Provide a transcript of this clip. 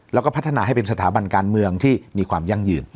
แล้วก็พัฒนาให้เป็นสถาบันการเมืองที่มีความยั่งยืน